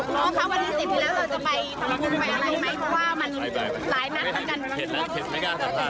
แผนตอนแรกที่มานี่คำลังใจก็ดี